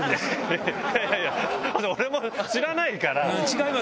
いやいや、俺も知らないから。